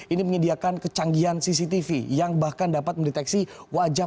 ini menyediakan kecanggihan cctv yang bahkan dapat mendeteksi wajah